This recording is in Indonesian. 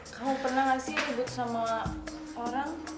kamu pernah gak sih hidup sama orang